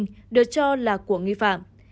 trang cá nhân được cho là của nghi phạm